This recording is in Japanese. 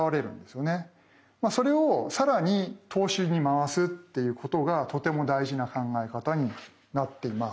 それをさらに投資に回すっていうことがとても大事な考え方になっています。